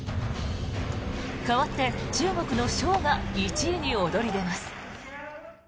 かわって中国のショウが１位に躍り出ます。